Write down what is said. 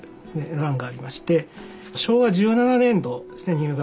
欄がありまして昭和１７年度ですね入学。